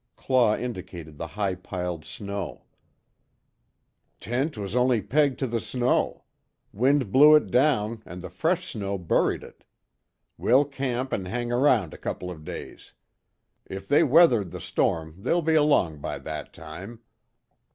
Claw indicated the high piled snow: "Tent was only pegged to the snow. Wind blew it down, and the fresh snow buried it. We'll camp an' hang around a couple of days. If they weathered the storm, they'll be along by that time.